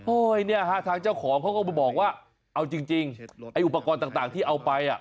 เนี่ยฮะทางเจ้าของเขาก็บอกว่าเอาจริงไอ้อุปกรณ์ต่างที่เอาไปอ่ะ